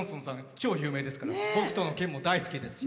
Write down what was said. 超有名ですから「北斗の拳」も大好きですし。